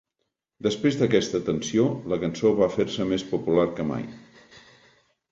Després d'aquesta atenció, la cançó va fer-se més popular que mai.